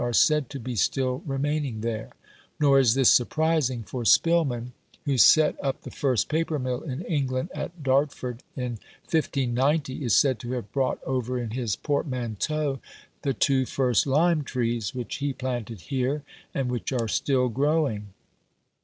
are said to be still remaining there: nor is this surprising, for Spilman, who set up the first paper mill in England, at Dartford, in 1590, is said to have brought over in his portmanteau the two first lime trees, which he planted here, and which are still growing.